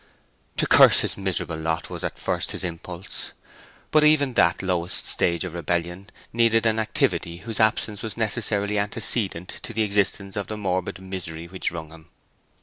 To curse his miserable lot was at first his impulse, but even that lowest stage of rebellion needed an activity whose absence was necessarily antecedent to the existence of the morbid misery which wrung him.